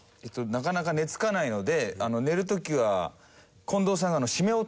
なかなか寝付かないので寝る時は近藤さんが。